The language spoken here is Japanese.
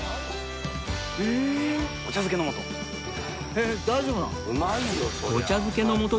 えっ大丈夫なの？